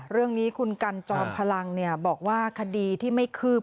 เรื่องนี้คุณกันจอมพลังบอกว่าคดีที่ไม่คืบ